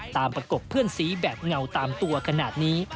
ประกบเพื่อนสีแบบเงาตามตัวขนาดนี้